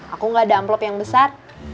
aku gak ada amplop yang besar